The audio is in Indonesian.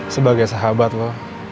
sebagai sahabat lo